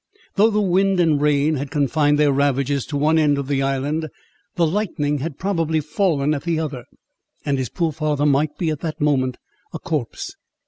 Though the wind and rain had confined their ravages to one end of the island, the lightning had probably fallen at the other, and his poor father might be, at that moment, a corpse.